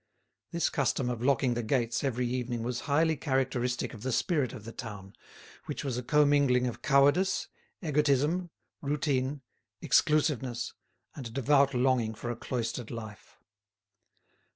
This custom of locking the gates every evening was highly characteristic of the spirit of the town, which was a commingling of cowardice, egotism, routine, exclusiveness, and devout longing for a cloistered life.